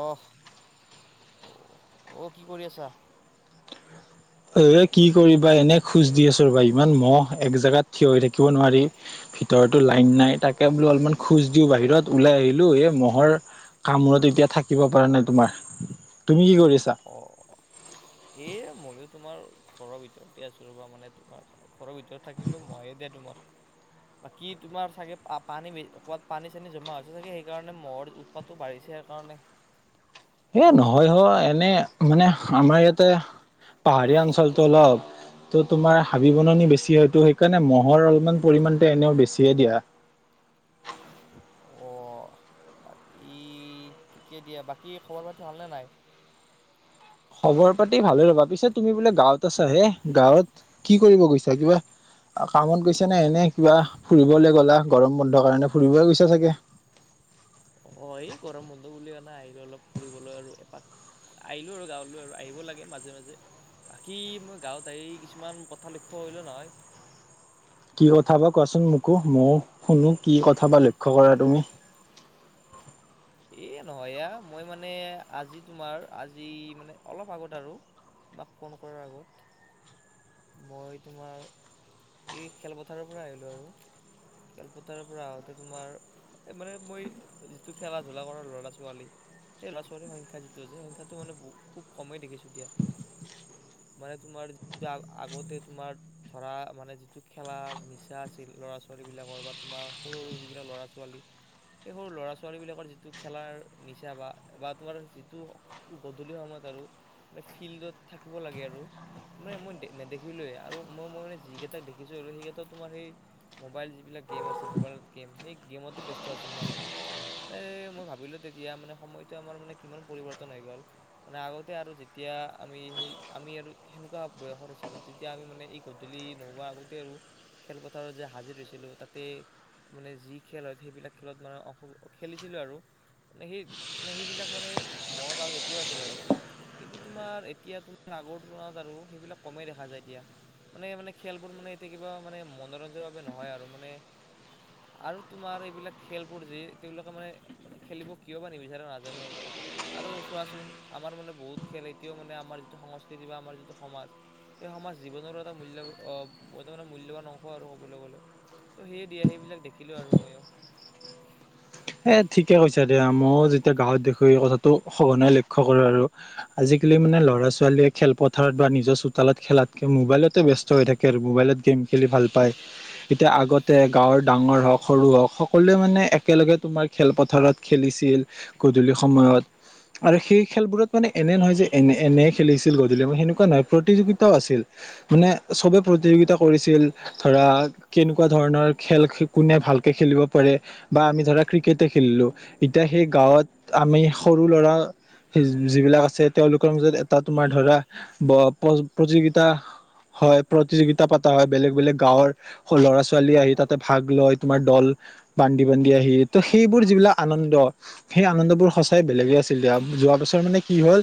অহ অ' কি কৰি আছা এ কি কৰিবা এনে খোজ দি আছো ৰ'বা ইমান মহ এক জোগাত থিয় হৈ থাকিব নোৱাৰি ভিতৰতো লাইন নাই তাকে বোলো অলপমান খোজ দিওঁ বাহিৰত ওলাই আহিলো এ মহৰ কামোৰত এতিয়া থাকিব পৰা নাই তোমাৰ তুমি কি কৰি অ এই ময়ো তোমাৰ ঘৰৰ ভিততে আছো ৰব মানে তোমাৰ ঘৰৰ ভিতৰত থাকিলো ময়ে দিয়া তোমাৰ বাকী তোমাৰ চাগে পা‌ পানী ক'ৰবাত পানী চানী জমা হৈছে চাগে সেই কাৰণে মহৰ উৎপাতো বাঢ়িছ ছে কাৰণে এই নহয় হ এনে মানে আমাৰ ইয়াতে পাহাৰীয়া অঞ্চলটো অলপ ত' তোমাৰ হাবি বননি বেছি হয়টো সেইকাৰণে মহৰ অলপমান পৰিমানতে এনেও বেছিয়ে দিয়া [inaudible] অ বাকী ঠিকে দিয়া বাকী খবৰ পাতি হালনে নাই খবৰ পাতি ভালে ল'বা পিছত তুমি বোলে গাঁৱত আছা হে গাঁৱত কি কৰিব গৈছা কিবা [inaudible] কামত গৈছা নে এনে কিবা ফুৰিবলে গ'লা গৰম বন্ধৰ কাৰণে ফুৰিব গৈছা চাগে [unintelligible] অ এই গৰম বন্ধ বুলি কানে আহিলে অলপ ফুৰিবলৈ আৰু এপাক আহিলোঁ আৰু গাঁৱলৈ আৰু আহিব লাগে মাজে মাজে কি মই গাঁৱত আহৰি কিছুমান কথা লক্ষ্য কৰিলোঁ নহয় কি কথা বা কোৱাচোন মোকো মইয়ো শুনো কি কথা বা লক্ষ্য কৰা তুমি [unintelligible] এ নহয় এ মই মানে আজি তোমাৰ আজি মানে অলপ আগত আৰু তোমাক ফোন কৰাৰ আগত মই তোমাৰ এই খেলপথাৰৰ পৰা আহিলোঁ আৰু খেলপথাৰৰ পৰা আহোঁতে তোমাৰ মানে মই যিটো খেলা ধূলা কৰা ল'ৰা ছোৱালী সেই ল'ৰা ছোৱালীৰ সংখ্যা যিটো আছে সংখ্যাটো মানে খুব কমেই দেখিছোঁ এতিয়া [unintelligible] মানে তোমাৰ যি আগতে তোমাৰ ধৰা মানে যিটো খেলাৰ নিচা আছিল ল'ৰা ছোৱালী বিাকৰ বা তোমাৰ সৰু সৰু যিবিলাক ল'ৰা ছোৱালী সেই সৰু ল'ৰা ছাল ছোৱালীবিলাকৰ যিটো খেলাৰ নিচা বা বা তোমাৰ যিটো গধূলি সময়ত আৰু ফিল্ডত থাকিব লাগে আৰু মানে মই নেদেখিলোৱেই আৰু মই মই মানে যিকেইটাক দেখিছোঁ আৰু সেইকেইটা তোমাৰ সেই মোবাইল যিবিলাক গেম আছে মোবাইলত গেম সেই গেমতে ব্যস্ত আছিল মানে মানে মই ভাবিলোঁ তেতিয়া মানে সময়টো আমাৰ মানে কিমান পৰিৱৰ্তন হৈ গ'ল মানে আগতে আৰু যেতিয়া এতিয়া আমি সেই আমি আৰু সেনেকুৱা বয়সত আছিলোঁ তেতিয়া আমি মানে এই গধূলি নোহোৱা আগতে আৰু খেলপথাৰত যে হাজিৰ হৈছিলোঁ তাতে মানে যি খেল হয় সেইবিলাক খেলত মানে অসু খেলিছিলোঁ আৰু মান সেই মানে সেইবিলাক মানে মনত আৰু এতিয়াও আছে বাৰু কিন্তু তোমাৰ এতিয়া তোমাৰ আগৰ তুলনাত আৰু সেইবিলাক কমেই দেখা যায় এতিয়া। মানে মানে খেলবোৰ মানে এতিয়া কিবা মানে মনোৰঞ্জনৰ বাবে নহয় আৰু মানে। আৰু তোমাৰ এইবিলাক খেলবোৰ যে তেওঁলোকে মানে খেলিব কিয় বা নিবিচাৰে নাজানো আৰু। আৰু চোৱাচোন আমাৰ মানে বহুত খেল এতিয়াও মানে আমাৰ যিটো সংস্কৃতি বা আমাৰ যিটো সমাজ সেই সমাজ জীৱনৰো এটা মূল্য অ' মূল্যবান অংশ আৰু ক'বলৈ গ'লে। ত' সেয়ে দিয়া সেইবিলাক দেখিলো আৰু ময়ো। [inaudible] এ ঠিকে কৈছা দে মইও যেতিয়া গাঁৱত দেখো এই কথাটো সঘনাই লক্ষ্য কৰো আৰু আজি। মানে ল'ৰা-ছোৱালীয়ে খেলপথাৰত বা নিজৰ চোতালত খেলাতকে মোবাইলতে ব্যস্ত হৈ থাকে আৰু মোবাইলত গেম। খেলি ভাল পায় এতিয়া আগতে গাঁৱৰ ডাঙৰ হওঁক, সৰু হওঁক সকলোৱে মানে একেলগে। তোমাৰ খেলপথাৰত খেলিছিল গধূলি সময়ত। আৰু সেই খেলবোৰত মানে এনে নহয় যে এনে এনে খেলিছিল গধূলি মানে সেনেকুৱা নহয় প্ৰতিযোগিতাও আছিল। মানে চবে প্ৰতিযোগিতা কৰিছিল ধৰা কেনেকুৱা ধৰণৰ খেল কোনে ভাল খেলিব পাৰে বা আমি ধৰা ক্ৰিকেটে খেলিলোঁ এতিয়া সেই গাঁৱত আমি সৰু ল'ৰা সেই যিবিলাক আছে তেওঁলোকৰ মাজত এটা তোমাৰ ধৰা প্ৰ-প্ৰতিযোগিতা। হয় প্ৰতিযোগিতা পতা হয় বেলেগ বেলেগ গাঁৱৰ ল'ৰা-ছোৱালী আহি তাতে ভাগ লয় তোমাৰ দল বানডি বনডি আহিত ত সেইবোৰ যিবিলাক আনন্দ, সেই আনন্দবোৰ সঁচাই বেলেগে আছিল দিয়া যোৱা বছৰ মানে কি হ'ল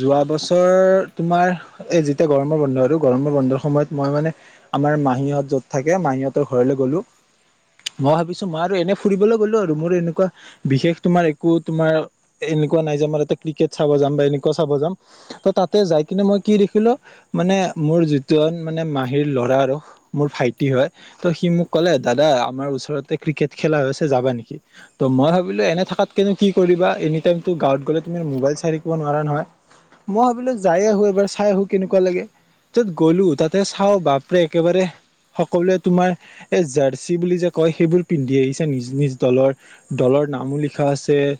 যোৱা বছৰ তোমাৰ এ যেতিয়া গৰমৰ বন্ধ আৰু গৰমৰ বন্ধৰ সময়ত ম মানে আমাৰ মাহীহঁত য'ত থাকে মাহীহঁতৰ ঘৰলে গ'লো। মই ভাবিছো মা আৰু এনে ফুৰিবলৈ গলত মোৰ এনেকুৱা বিশেষ তোমাৰ একো তোমাৰ এনেকুৱা নাই যে আমাৰ ইয়াতে ক্ৰিকেট চাব যাম বা এনেকুৱা চা ব যাও ত তাতে যাই কিন্তু মই কি দেখিলো মানে মোৰ যিটো মানে মাহীৰ ল'ৰা ৰ মোৰ ভাইটি হয় ত সি মোক কলে দাদা আমাৰ ওচৰতে ক্ৰিকেট খেলা হৈছে যাবা নেকি? ত মই ভাবিলো এনে থাকাত কেনু কি কৰিবা এনি টাইম গাঁৱত গ'লে তুমি মবাইল চাই থাকিব নোৱাৰা নহয়। মই ভাবিলো যাই আহো এবাৰ চাই আহো কেনেকুৱা লাগে। য'ত গ'লো তাতে চাওঁ বাপৰে একেবাৰে সকলোৱে তোমাৰ এ জাৰ্চি বুলি যে কয় সেইবোৰ পিন্ধি আহিছে নিজ-নিজ দলৰ। দলৰ নামো লিখা আছে এ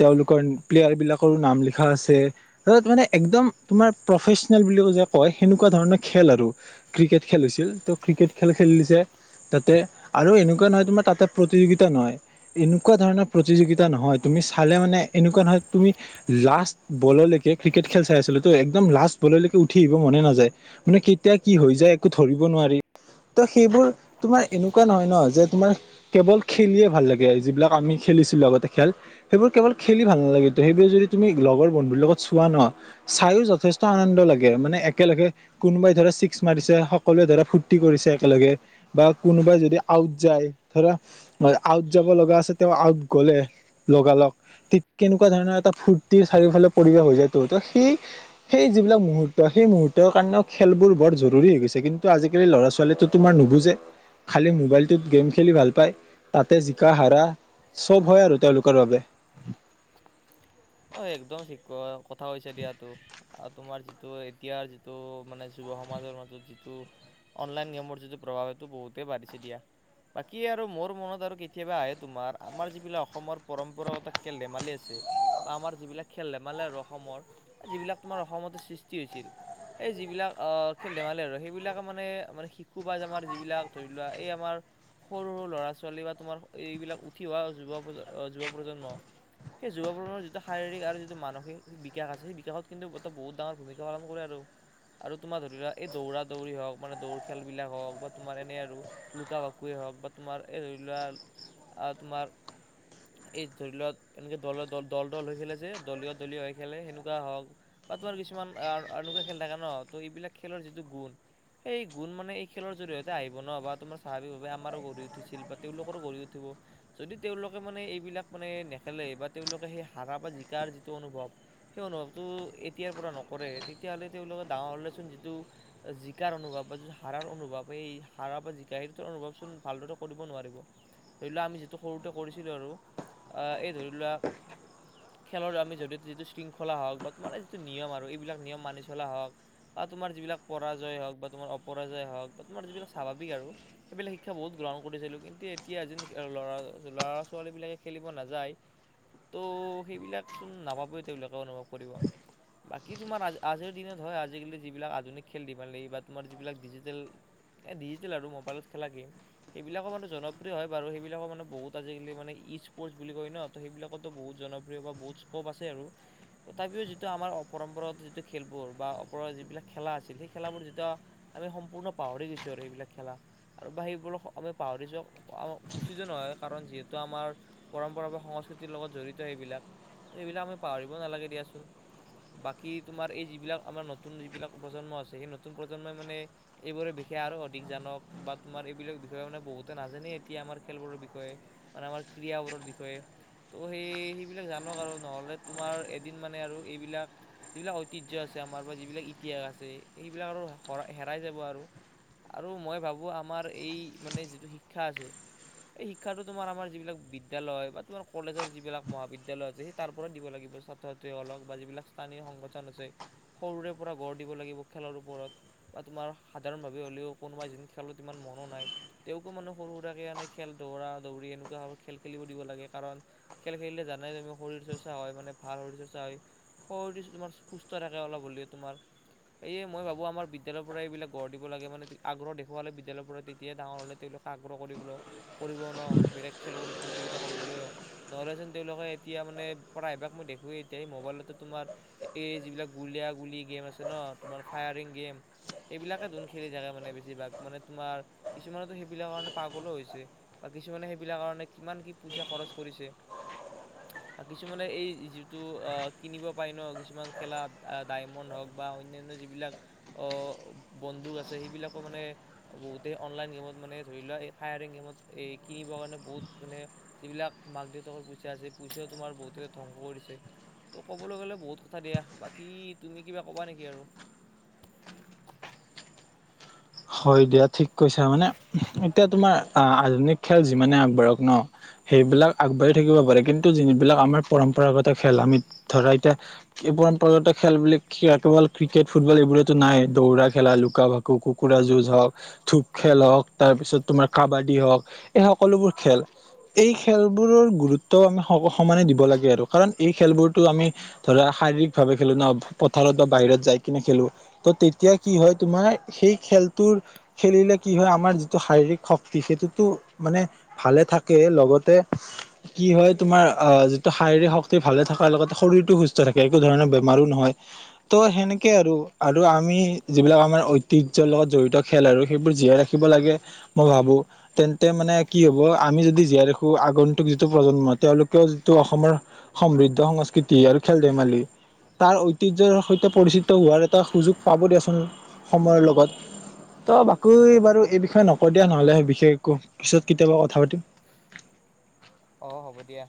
তেওঁলোকৰ প্লেয়াৰ বিলাকৰো নাম লিখা আছে। [unintelligible] মানে একদম তোমাৰ প্ৰফেচনেল বুলিও যে কয় সেনেকুৱা ধৰণৰ খেল আৰু ক্ৰিকেট খেল হৈছিল। তেওঁ ক্ৰিকেট খেল খেলিছে তাতে আৰু এনেকুৱা নহয় তোমাৰ তাতে প্ৰতিযোগিতা নহয় এনেকুৱা ধৰণৰ প্ৰতিযোগিতা নহয় তুমি চালে মানে এনেকুৱা নহয় তুমি লাষ্ট বললৈকে ক্ৰিকেট খেল চাই আছিলো তো একদম লাষ্ট বললৈকে উঠি আহিব মনে নাযায় মানে কেতিয়া কি হৈ যাই একো ধৰিব নোৱাৰি। ত' সেইবোৰ তোমাৰ এনেকুৱা নহয় ন' যে তোমাৰ কেৱল খেলিয়ে ভাল লাগে [unintelligible] যিবিলাক আমি খেলিছিলো আগতে খেল সেইবোৰ কেৱল খেলি ভাল নালাগে ত' সেইবোৰ যদি তুমি লগৰ বন্ধুিৰ লগত চোৱা ন' চাইও যথেষ্ট আনন্দ লাগে মানে একেলগে কোনোবাই ধৰা ছিক্স মাৰিছে সকলো এ ধৰা ফূৰ্তি কৰিছে একেলগে বা কোনোবাই যদি আউট যাই ধৰা [unintelligible] আউট যাব লগা আছে তেওঁ আউট গ'লে লগালগ তি কেনেকুৱা ধৰণৰ এটা ফূৰ্তি চাৰিওফালে পৰিৱেশ হৈ যায় তো এটা সেই -সেই যিবিলাক মুহুৰ্ত সেই মুহূৰ্তৰ কাৰণেও খেলবোৰ বৰ জৰুৰী হৈ গৈছে কিন্তু আজিকালি ল'ৰা-ছোৱালীটো তোমাৰ নুবুজে খালি মোবাইলটোত গেম খেলি ভাল পায় তাত তে জিকা হাৰা চব হয় আৰু তেওঁলোকৰ বাবে। অ, একদম থিক কথা হৈছে দিয়াতো আৰু তোমাৰ যিটো এতিয়াৰ যিটো মানে যুৱ সমাজৰ মাজত যিটো অনলাইন গেমৰ যিটো প্ৰভাৱ সেইটো বহুতেই বাঢ়িছে দিয়া। বাকী আৰু মোৰ মনত আৰু কেতিয়াবা আহে তোমাৰ আমাৰ যিবিলাক অসমৰ পৰম্পৰাগত খে খেল-ধেমালি আছে বা আমাৰ যিবিলাক খেল ধেমালি আৰু অসমৰ এ যিবিলাক তোমাৰ অসমতে সৃষ্টি হৈছিল এ যিবিলাক আহ, খেল-ধেমালি আৰু সেইবিলাকে মানে শিশু মানে শিশু পাই যাই আমাৰ যিবিলাক ধৰি লোৱা এই আমাৰ সৰু-সৰু ল'ৰা-ছোৱালী বা তোমাৰ এইবিলাক উঠি অহা যুৱ প্ৰ - যুৱ প্ৰজন্ম। [unintelligible] সেই যুৱ প্ৰজন্মৰ যিটো শাৰীৰিক আৰু যিটো মানসিক বিকাশ আছে। সেই বিকাশত কিন্তু এটা বহুত ডাঙৰ ভূমিকা পালন কৰে আৰু। আৰু তোমাৰ ধৰি লোৱা এই দৌৰা- দৌৰি হওঁক মানে দৌৰি খেলবিলাক হওঁক বা তোমাৰ এনেই আৰু লুকা- ভাকুৱে হওঁক। হওঁক বা তোমাৰ এই ধৰি লোৱা তোমাৰ এই ধৰি লোৱা তেনেকে দল, দ দল, দল হৈ খেলে যে, দলীয়- দলীয় হৈ খেলে সনেকুৱা হওঁক বা তোমাৰ কিছুমান তেনেকুৱে খেল থাকে ন ত' এইবিলাক খেলৰ যিটো গুণ সেই গুণ মানে এই খেলৰ জৰিয়তে আহিব ন, বা তোমাৰ স্বাভাৱভাৱে আমাৰো গঢ়ি উঠিছিল, বা তেওঁলোকো গঢ়ি উঠিব। যদি তেওঁলোকে মানে, এইবিলাক মানে খেলে বা তেওঁলোকে সেই হাৰা বা জিকাৰ যিটো অনুভৱ সেই অনুভৱটো এতিয়াৰ পৰা নকৰে তেতিয়া তেতিয়াহ'লে তেওঁলোকৰ ডাঙৰ হ'লেচোন যিটো জিকাৰ অনুভৱ বা যোনটো হাৰাৰ অনুভৱ এই হাৰা বা জিকাই এইটো অনুভৱ চোন ভাল দৰে কৰিব নোৱাৰিব, ধৰি লোৱা সৰুতে আমি যিটো কৰিছিলোঁ আৰু আ ধৰি লোৱা খেলৰ আমি জৰিয়তে যিটো শৃংখলা হওক বা তোমাৰ যিটো নিয়ম আৰু এইবিলাক নিয়ম মানি চলা হওঁক। বা তোমাৰ যিবিলাক পৰাজয় হওঁক বা তোমাৰ অপৰাজয় হওঁক বা তোমাৰ যিবিলাক স্বাভাৱিক আৰু সেইবিলাক শিক্ষা বহুত গ্ৰহণ কৰিছিলোঁ। কিন্তু এতিয়া যেন ল'ৰা, ল'ৰা- ছোৱালীবিলাকে খেলিব নাযায়। ত' সেইবিলাক চোন নাপাব তেওঁলোকে অনুভৱ কৰিব। বাকী তোমাৰ আজিৰ দিনত হয়। আজিকালি যিবিলাক আধুনিক খেল ধেমালী বা তোমাৰ যিবিলাক ডিজিটেল এ ডিজিটেল আৰু মোবাইলত খেলা গেম সেইবিলাকৰ মানে জনপ্ৰিয় হয় বাৰু সেইবিলাকৰ মানে বহুত আজিকালি মানে ই স্পৰ্টছ বুলি কয় ন'। সেইবিলাকতো বহুত জনপ্ৰিয় বা বহুত স্কপ আছে আৰু তথাপিও যিটো আমাৰ অপৰম্পৰাগত যিটো খেলবোৰ বা পৰ যিবিলাক খেলা আছিল সেই খেলাবোৰ যেতিয়া আমি সম্পূৰ্ণ পাহৰি গৈছো আৰু সেইবিলাক খেলা। আৰু বা সেইবোৰক আমি পাহৰি যাওঁক উচিতো নহয় কাৰণ যিহেতু আমাৰ পৰম্পৰা বা সংস্কৃতি। সংস্কৃতি লগত জড়িত সেইবিলাক এইবিলাক আমি পাহৰিব নালাগে দিয়াচোন। বাকী তোমাৰ এই যিবিলাক আমাৰ নতুন যিবিলাক প্ৰজন্ম আছে। সেই নতুন প্ৰজন্মই মানে এইবোৰে সেয়া আৰু অধিক জানক বা তোমাৰ এইবিলাক বিষয়ে মানে বহুতে নাজানে এতিয়া আমাৰ খেলবোৰৰ বিষয়ে মানে আমাৰ ক্ৰীড়া বোৰৰ বিষয়ে ত' সেই সেইবিলাক জানক আৰু নহ'লে তোমাৰ এদিন মানে আৰু এইবিলাক যিবিলাক ঐতিয্য আছে, আমাৰ পৰা যিবিলাক ইতিহাস আছে। সেইবিলাক আৰু হেৰাই যাব আৰু আৰু মই ভাবোঁ, আমাৰ এই মানে যিটো শিক্ষা আছে। এই শিক্ষাটো তোমাৰ আমাৰ যিবিলাক বিদ্যয়ালয় বা তোমাৰ কলেজৰ যিবিলাক মহাবিদ্যালয় আছে। সেই তাৰ পৰা দিব লাগিব ছাত্ৰ ছাত্ৰী সকলক বা যিবিলাক স্থানীয় সংগঠন আছে। সৰুৰে পৰা গঢ় দিব লাগিব। খেলৰ ওপৰত বা তোমাৰ সাধাৰণ ভাৱে হ'লেও কোনোবা এজন খেল ইমান মনো নাই তেওঁকো মানে সৰু সুৰাৰাকে এনে খেল দৌৰা দৌৰি এনেকুৱা খেল খেলিব দিব লাগে। কাৰণ খেল খেলিলে জানাই তুমি শৰীৰ চৰ্চা হয়, মানে ভাল শৰীৰ চৰ্চা হয়, শৰীৰ তোমাৰ সুস্থ থাকে অলপ হ'লেও তোমাৰ এ মই ভাবোঁ আমাৰ বিদ্যালয়ৰ পৰা এইবিলাক গঢ় দিব লাগে মানে আগ্ৰ দেখুৱালে বিদ্যালয় পৰা তেতিয়া ডাঙৰ হ'লে ধৰিলোৱা আগ্ৰহ কৰিবলৈ কৰিব ন বেলেগ খেলবোৰত প্ৰতিযোগিতা কৰিবলৈ নহ'লে চোন তেওঁলোকে এতিয়া মানে পৰা এবাক মই দেখোৱেই। এতিয়া মোবাইলতো তোমাৰ এই যিবিলাক গুলীয়া গুলী গেম আছে ন তোমাৰ ফায়াৰিং গেম সেইবিলাকে ধোন খেলি থাকে মানে বেছিভাগ মানে তোমাৰ কিছুমানেটো সেইবিলাকৰ কাৰণে পাগলো হৈছে। কিছুমানে সেইবিলাক কাৰণে কিমান কি পইচা খৰচ কৰিছে। [unintelligible] কিছুমানে এই যিটো অ' কিনিব পাৰি ন কিছুমান খেলাত ডায়মণ্ড হওঁক বা অন্যান্য যি বিলাক অ' বন্দুক আছে। সেইবিলাকো মানে বহুতে অনলাইন গেমত মানে ধৰি লোৱা ফায়াৰিং গেমত এই কিনিবৰ কাৰণে বহুত মানে যিবিলাক মাক দেউতাকৰ পুইচা আছে, পুইচা তোমাৰ বহুতে ধ্বংস কৰিছে। ত' ক'বলৈ গ'লে বহুত কথা দিয়া বাকী তুমি কিবা কবা নেকি আৰু [inaudible] হয় দিয়া ঠিক কৈছা মানে এতিয়া তোমাৰ আ, আধুনিক খেল যিমানে আগবাঢ়ক ন! সেইবিলাক আগবাঢ়ি থাকিব পাৰে। কিন্তু যিনবিলাক আমাৰ পৰম্পৰাগত খেল আমি ধৰা এতিয়া পৰম্পৰাগত খেল বুলি খেয়াটো কেৱল ক্ৰিকেট, ফুটবল এইবোৰটো নাই, দৌৰা খেলা, লুকা-ভাকু, কু কুকুৰা যুঁজ হওক, ধূপ খেল হওক, তাৰ পিছত তোমাৰ কাবাডী হওক, এই সকলোবোৰ খেল এই খেলবোৰৰ গুৰুত্ব সম, সমানে দিব লাগে আৰু কাৰণ এই খেলবোৰতো আমি ধৰা শাৰীৰিক ভাৱে খেলোঁ ন! পথাৰত বা বাহিৰত যাই কিনে খেলোঁ। ত' তেতিয়া কি হয় তোমাৰ, সেই খেলটোৰ খেলিলে কি হয় আমাৰ যিটো শাৰীৰিক শক্তি সেইটোতো মানে ভালে থাকে কে লগতে কি হয় তোমাৰ আহ, যিটো শাৰীৰিক শক্তি ভালে থকাৰ লগতে শৰীৰতটো সুস্থ থাকে একো ধৰণৰ বেমাৰো নহয়, ত' সেনেকে আৰু। আৰু আমি যিবিলাক আমাৰ ঐতিহ লগত জড়িত খেল আৰু সেইবোৰ জীয়াই ৰাখিব লাগে মই ভাবো তেন্তে মানে কি হ'ব আমি যদি জীয়াই দেখো আগন্তুক যিটো প্ৰজন্ম তেওঁলোকেও যিটো অসমৰ সমৃদ্ধ সংস্কৃতি আৰু খেল ধে লি তাৰ ঐতিহ্যৰ সৈতে পৰিচিত হোৱাৰ এটা সুযোগ পাব দিয়াচোন সময়ৰ লগত। ত' [unintelligible] বাৰু এই বিষয়ে নকও দিয়া নহ'লে বিশেষ একো পিছত কেতিয়াবা কথা পাতিম। [inaudible] অ', হ'ব দিয়া।